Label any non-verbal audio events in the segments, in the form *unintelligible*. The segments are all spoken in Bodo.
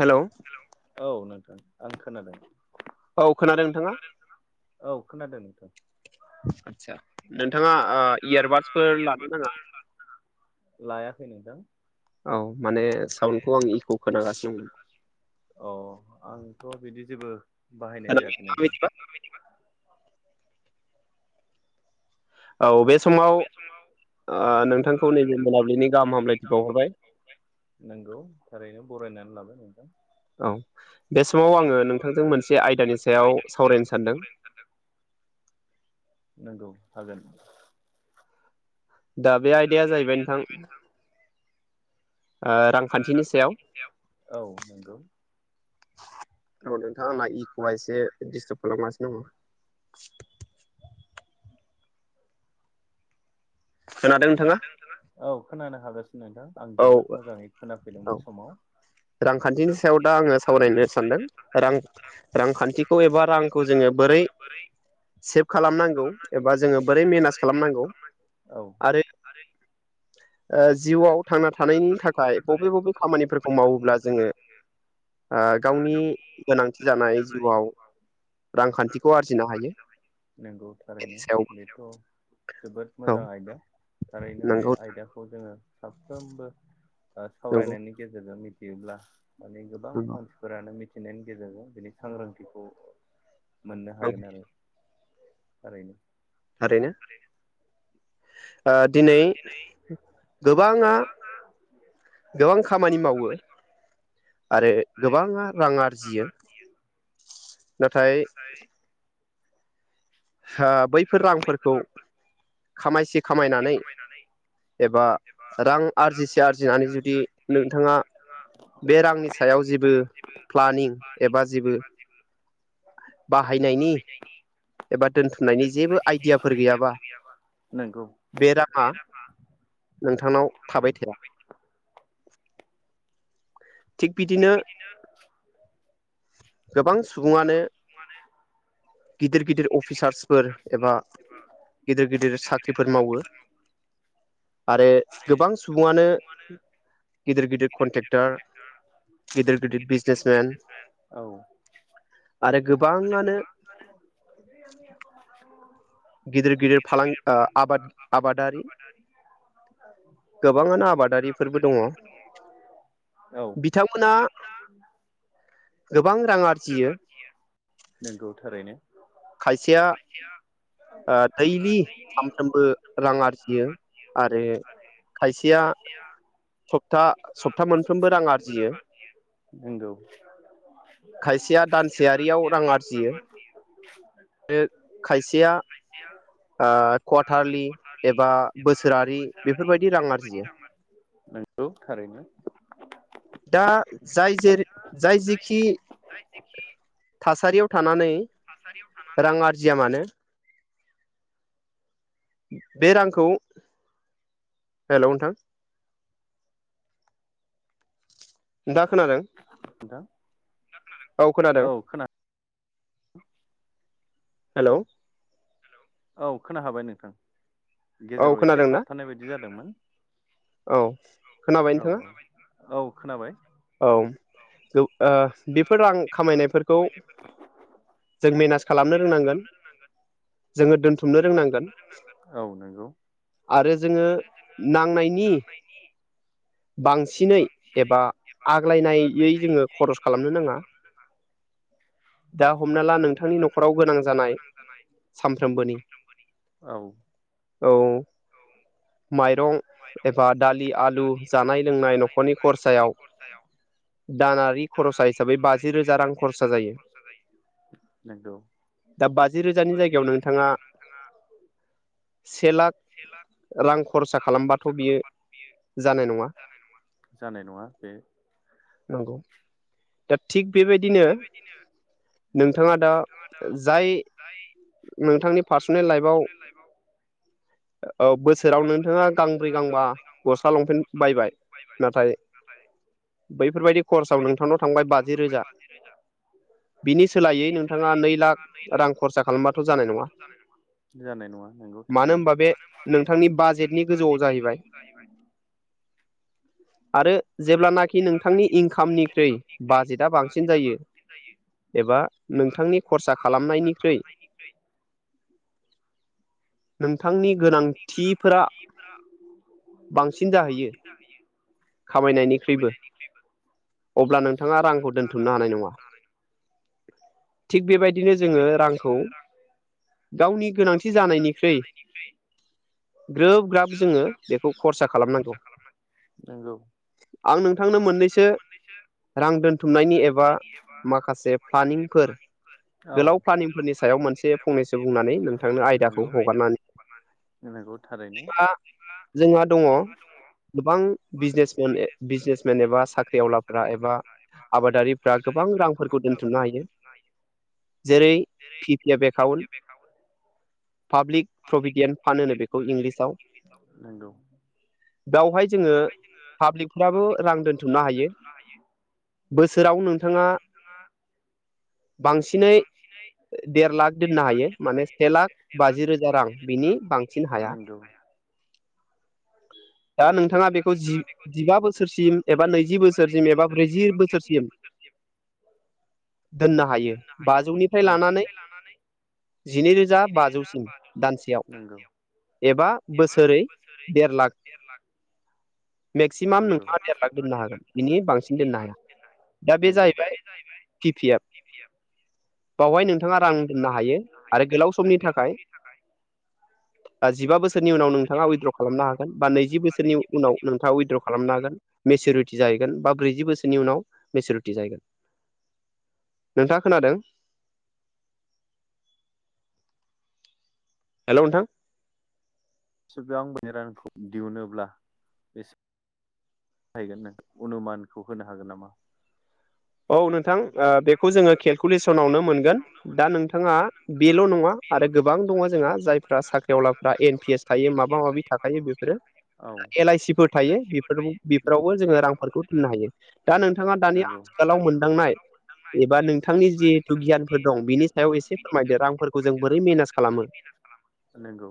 हेल'! हेल औ नोंथां आं खोनादों। औ खोनादों नोंथाङा? आसा नोंथाङा इयारबादसफोर लानो नाङा। लायाखै नोंथां? औ माने साउन्डखौ आं इक' खोनागासिनो दंमोन। अ आंथ' बिदि जेबो बाहायनाय जायाखै नोंथां औ बे समाव ओ- नोंथांखौ नैबे मोनाबिलिनि गाहाम हामलायथि बावहरबाय नगौ थारैनो बरायनानै लाबाय नोंथां। औ बे समाव आङो नोंथांजों मोनसे आयदानि सायाव सावरायनो सानदों। नंगौ हागोन। दा बे आयदाया जाहैबाय नोंथां रांखान्थिनि सायाव औ नंगौ। औ नोंथां आंना इक' एसे दिस्टार्ब खालामासिनो दङ। खोनदों नोंथङा? औ खोनानो हागासिनो नोंथां आं जोबोद मोजाङै खोनाफैदों बे समाव रांखान्थिनि सायाव दा आङो सावरायनो सानदों रां रांखान्थिखौ एबा रांखौ जोङो बोरै सबे खालामना एबा जोङो बोरै मेनाज खालामनांगौ औ आरो जिउआव थांना थानायनि थाखाय बबे बबे खामानिफोरखौ मावोब्ला जोङो ओ- गावनि गोनांथि जानाय जिउआव *unintelligible* नंगौ थारैनो बेथ' जोबोद मोजां आयदा थारैनो बे आयदा खौ जोङो साफ्रोमबो सावरायनायनि गेजेरजों मिथियोब्ला माने गोबां मानसिफोरानो मिथिनायनि गेजेरजों दिनै सांग्रांथिखौ मोननो हागोन आरो थारैनो। थारैनो दिनै गोबाङा गोबां खामानि मावो। आरो गोबाङा रां आरजियो। नाथाय *unintelligible* हा- बैफोर रांफोरखौ खामायसि खामायसे खामायनानै एबा रां आरजिसे आरजिनानै जुदि बे रांनि सायाव जेबो बानि एबा जेबो बाहायनायनि एबा दोनथुमनायनि जेबो आइडियाफोर गैयाबा बे राङा नोंथांनाव थाबाय थाया। थिग बिदिनो गोबां सुबुङानो गिदिर गिदिर अफिसार्सफोर एबा गिदिर गिदिर साख्रिफोर मावो। आरो गोबां सुबुङानो गिदिर गिदिर कन्ट्रेक्टर गिदिर गिदिर बिजनेसमेन आरो गोबाङानो *unintelligible* गेदेर गेदेर फालांगि बा आबाद आबादारि गोबांआनो आबदारिफोर दं बिथांमोना गोबां रां आरजियो। नोंगौ थारैनो। खायसेया *inaudible* दैलि सामफ्रोमबो रां आरजियो आरो खायसेया *unintelligible* *unintelligible* *unintelligible* खायसेया खायसेआ कवाटारलि एबा बोसोरारि नंगौ थारैनो। दा जाय जेरै जाय जेखि थासारियाव थानानै थासारियाव थानानै जिया मानो बे रांखौ हेलौ नोंथां। नोंथांआ खोनादों? औ खोनादों। Hello hello. औ खोनाहाबाय नोंथां। गेजेराव एसे थाबथानाय बायदि जादोंमोन औ औ। औ खोनाबाय। औ औ बेफोर रां खामायनायफोरखौ जों मेनेज खालामनो रोंनांगोन। जोङो दोन जोङो दोनथुमनो रोंनांगोन। औ नंगौ। आरो जोङो नांनायनि बांसिनै एबा एबा आग्लायनायै जोङो खनथ्रल खालामनो रोङा। दा हमना ला नोंथांनि न'खराव गोनां जानाय सामफ्रोमबोनि औ औ औ माइरं एबा दालि आलु जानाय लोंनाय न'खरनि खरसायाव दानारि खरसा हिसाबै बाजि रोजा रां खरसा जायो। नंगौ। दा बाजि रोजानि जायगायाव नोंथाङा से लाख से लाख रां खरसा खालामबा बेयो जानाय नङा बे। नंगौ। दा थिग बेबायदिनो नोंथाङा दा जाय जाय नोंथांनि पार्सनेल लाइफआव औ बोस औ बोसोराव नोंथाङा गांब्रै गांबा गस्ला लंपेन्ट बायबाय नाथाय बैफोरबायदि करजआव नोंथांनाव थांबाय बाज थांबाय बाजि रोजा। बिनि सोलायै नोंथाङा नै लाख रां खरसा खालामबाथ' जानाय नङा। जानाय नोङा। जानाय नङा नोंगौ थारैनो। नोंथांनि बाजेटनि गोजौआव जाहैबाय। आरो जेब्लानाखि नोंथांनि इंकामनिख्रुइ बाजेटआ बांसिन जायो। जायो। एबा नोंथांनि खरसा खालामनायनिख्रुइ नोंथांनि गोनां गोनांथिफोरा बांसिन जाहैयो। खामायनायनिख्रुइबो अब्ला नोंथाङा रांखौ दोनथुमनो हानाय नङा। थिग बेबायदिनो जोङो रांखौ गावनि गोनांथि जानायनिख्रुइ निख्रुइ ग्रोब ग्राब जोङो बेखौ खरसा खालामनांगौ आं नों आं नोंथांनो मोननैसो रां दोनथुमनायनि एबा माखासे प्लानिंफोर गोलाव प्लानिंफोरनि सायाव मोनसे फंनैसो बुंनानै नोंथांनो आयदाखौ हगारनानै नोंगौ थारैनो। गोबां बिजनेसमेन बिजनेसमेन एबा एबा साख्रिआवलाफ्रा एबा आबादारिफ्रा गोबां रांफोरखौ दोनथुमनो हायो। जेरै P P F account public provident नोंगौ। बेवहाय बेवहाय जोङो पाब्लिकफ्राबो रां दोनथुमनो हायो। बोसोराव नोंथाङा बांसि सिनै देर लाख दोननो हायो माने से लाख बाजि रोजा रां बिनि नोंगौ। *inaudible* दा नोंथाङा बेखौ जि जिबा बोसोरसिम एबा नैजि बोसोरसिम एबा ब्रैजि बोसोरसिम दोननो हायो बाजौनिफ्राय लानानै लानानै जिनैरोजा बाजौसिम दानसेयाव ए एबा बोसोरै देर लाख। मेक्सिमाम नोंथाङा देर लाख दोननो हागोन बिनि बांसिन दोननो हाया दा बे जाहैबाय पि पि एफ बावहाय नोंथाङा रां दोननो हायो आरो गोलाव समनि थाखाय। थाखाय बा जिबा बोसोरनि उनाव नोंथाङा उइद्र' खालाम हागोन बा नैजि बोसोरनि उनाव नों थाङा उइद्र' खालामनो हागोन मेसुरिट टि जाहैगोन बा ब्रैजि बोसोरनि उनाव मेसुरिटि जाहैगोन नोंथाङा खोनादों? हेल' नोंथां। *unintelligible* आंबो रांखौ दिहुनोब्ला जाहैगोन नों अनुमानखौ होनो हागोन नामा? औ नोंथां ओ बेखौ जोङो केलकुलेसनावनो मोनगोन दा नोंथाङा बेल' नङा आरो गोबां दङ जोंहा जायफ्रा साख्रिआववलाफ्रा एन पि एस थायो माबा माबि थाखायो बेफोरो एल आइसिफोर थायो बे बेफोरावबो जोङो रांफोरखौ दोननो हायो दा नोंथाङा दानि हस्पिटालाव मोनदांनाय एबा नोंथांनि जिहेथु गियानफोर दं बिनि सायाव एसे फोरमायदो रांफो मस खालाम *unintelligible* नंगौ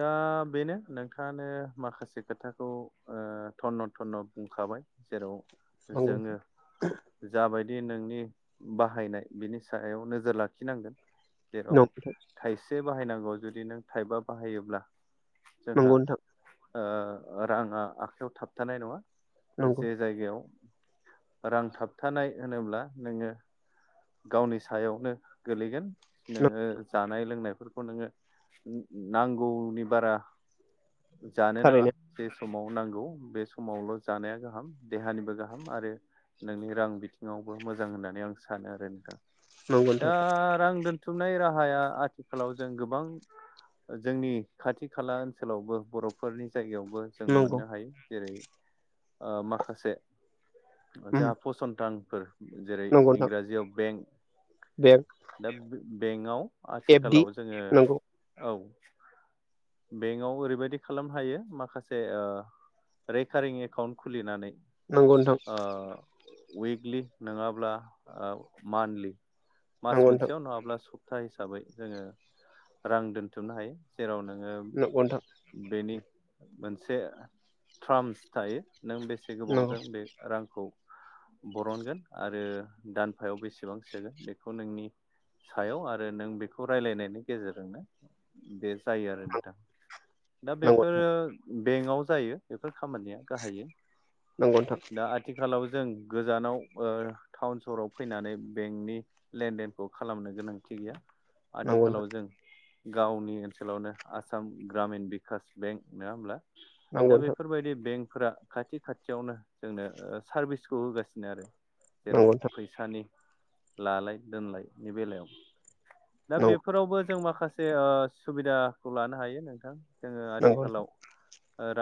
दा बेनो नोंथाङानो माखासे खोथाखौ ओथन्न' थन्न' बुंखाबाय जेराव जोङो जाबायदि नोंनि बाहायनाय बिनि सायाव नोजोर लाखिनांगोन जेराव थाइसे बाहायनांगौ जुदि नों थाइबा बाहायोब्ला जोंहा राङा आखायाव थाबथानाय नङा जे जायगायाव रां थाबथानाय होनोब्ला नोङो गावनि सायावनो गोलैगोन नोङो जानाय लोंनायफोरखौ नोङो नांगौनि बारा जानो नाङा जे समाव नांगौ बे समावल' जानाया गाहाम देहानिबो गाहाम आरो नोंनि रां बिथिङावबो मोजां होननानै आं सानो आरो नोंथां दा रां दोन बुथुमनाय राहाया आथिखालाव जों गोबां जोंनि खाथि खाला ओनसोलावबो बर' फोरनि जायगायावबो जों मोननो हायो जेरै माखासे जोंहा फसंथानफोर जेरै इंराजियाव बेंक बेग दा बेंकआव आथिखालाव जोङो औ बेंकआव ओरैबायदि खालामनो हायो माखासे रेकारिं एकाउन्ट खुलिनानै उइकलि नङाब्लाओ मान्थलि मास मोनसेयाव नङाब्ला सप्ता हिसाबै जोङो रां दोनथुमनो हायो जेराव नोङो बेनि मोनसे टार्मस थायो नों बेसे गोबावजों बे रांखौ बरनगोन आरो दानफायाव बेसेबां सोगोन बेखौ नोंनि सायाव आरो नों बेखौ राय्लायनायनि गेजेरजोंनो बे जायो आरो नोंथां दा बेफोरो बेंकआव जायो बेफोर खामानिया गाहायै नंगौ नोंथां दा आथिखालाव जों गोजानाव ओ सराव फैनानै बेंकनि लेनदेनखौ खालामनो गोनांथि गैया आथिखालाव जों गावनि ओनसोलावनो आसाम ग्रामिन बिकास बेंक नङा होमब्ला दा बेफोरबायदि बेंकफोरा खाथि खाथियावनो जोंनो सारभिसखौ होगासिनो आरो जेराव फैसानि लालाय दोनाय बेलायाव दा बे फोरावबो जों माखासे सुबिदाखौ लानो हायो नोंथां जोङो आथिखालाव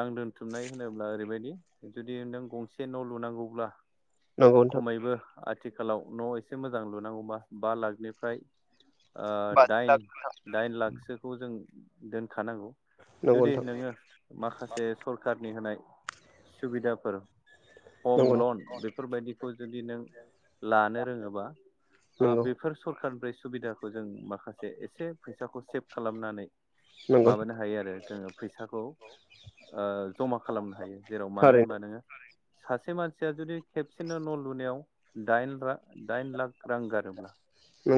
रां दोन्थुमनाय होनोब्ला ओरैबायदि जुदि नों गंसे न' लुनांगौब्ला खमैबो आथिखालाव न' एसे मोजां लुनांगौबा बा लाखनिफ्राय दाइन दाइन लाखसोखौ जों दोनखानांगौ जुदि नोङो माखासे सरखारनि होनाय सुबिदाफोर हम लन बेफोरबायदिखौ जुदि नों लानो रोङोबा बेफोर सरखारनिफ्राय सुबिदाखौ खौ जों माखासे एसे फैसाखौ सेभ खालामनानै माबानो हायो आरो जोङो फैसाखौ जमा खालामनो हायो जेराव मानो होनबा नोङो सासे मानसिया जुदि खेबसेनो न' लुनायाव दाइन रा दाइन लाख रां गारोब्ला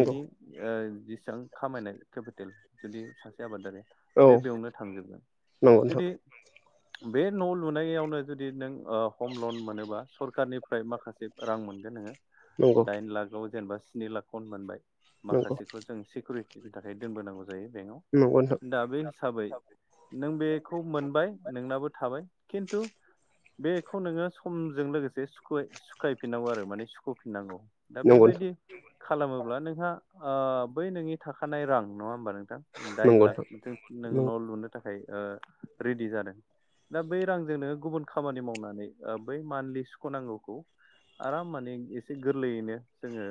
बिनि ओ जेसिबां खामायनाय केपिटेल जुदि सासे आबादारिया बे बेयावनो थांजोबगोन जुदि बे न' लुनायावनो जुदि नों ओ हम लन मोनोबा सरखारनिफ्राय माखासे रां मोन गोन नोङो दाइन लाखआव जेनेबा स्नि लाखखौनो मोनबाय माखासेखौ जों सिखुरि थिनि थाखाय दोनबोनांगौ जायो बेंकआव नंगौ नोंथां दा बे हिसाबै नों बेखौ मोनबाय नोंनाबो थाबाय खिन्थु बेखौ नोङो समजों लोगोसे सुखयै सुखायफिननांगौ आरो माने सुख'फिननांगौ दा बेबायदि खालामोब्ला नोंहा ओ बै नोंनि थाखानाय रां नङा होमबा नोंथां दाइन लाखजों नों न' लुनो थाखाय ओ रेडि जादों दा बै रांजों नोङो गुबुन खामानि मावनानै ओ बै मान्थलि सुख'नांगौखौ आराम माने एसे गोरलैयैनो जोङो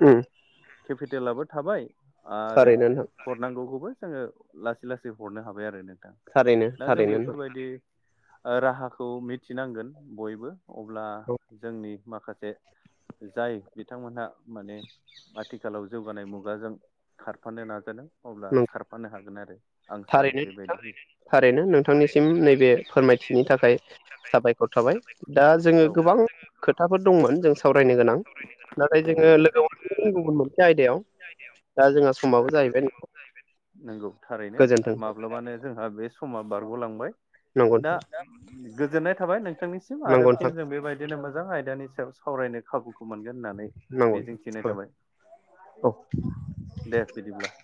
केपिटेलाबो थाबाय आरो हरनांगौखौबो जोङो लासै लासै हरनो हाबाय आरो नों थां दा जों बेफोरबायदि ओ राहाखौ मिथिनांगोन बयबो अब्ला जोंनि माखासे जाय बिथांमोनहा माने आथिखालाव जौगानाय मुगाजों खारफानो नाजादों अब्ला खारफानो हागोन आरो आं सानो बेबायदि थारैनो नोंथांनिसिम नैबे फोरमायथिनि थाखाय साबायखर थाबाय दा जोङो गोबां खोथाफोर दंमोन जों सावरायनो गोनां नाथाय जोङो लोगो मोनफिनगोन गुबुन मोनसे आयदायाव दा जोंहा समाबो जाहैबाय *inaudible* नंगौ थारैनो माब्लाबानो जोंहा बे समा बारग'लांबाय दा गोजोननाय थाबाय नोंथांनिसिम आरो फिन जों बेबायदिनो मोजां आयदानि सायाव सावरायनो खाबुखौ मोनगोन होननानै मिजिं थिनाय थाबाय। दे बिदिब्ला।